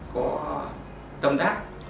có tâm đắc